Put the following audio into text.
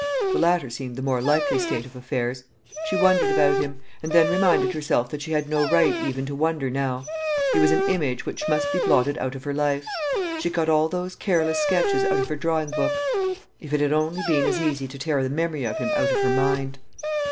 The latter seemed the more likely state of affairs. She wondered about him and then reminded herself that she had no right even to wonder now. His was an image which must be blotted out of her life. She cut all those careless sketches out of her drawing book. If it had only been as easy to tear the memory of him out of her mind!